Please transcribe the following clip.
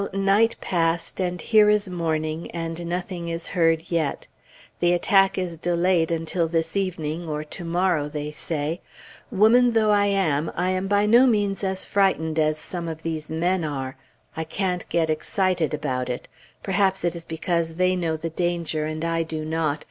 night passed, and here is morning, and nothing is heard yet. The attack is delayed until this evening, or to morrow, they say. Woman though I am, I am by no means as frightened as some of these men are. I can't get excited about it. Perhaps it is because they know the danger, and I do not.